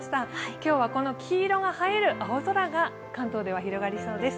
今日はこの黄色が映える青空が関東では広がりそうです。